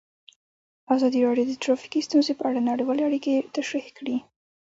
ازادي راډیو د ټرافیکي ستونزې په اړه نړیوالې اړیکې تشریح کړي.